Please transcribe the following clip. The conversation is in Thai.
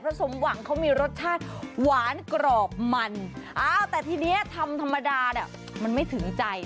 สมหวังเขามีรสชาติหวานกรอบมันอ้าวแต่ทีนี้ทำธรรมดาเนี่ยมันไม่ถึงใจ